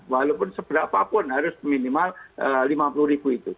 walaupun seberapapun harus minimal rp lima puluh itu